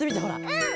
うん。